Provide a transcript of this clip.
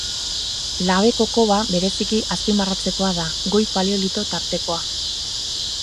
Labeko Koba bereziki azpimarratzekoa da, Goi Paleolito tartekoa.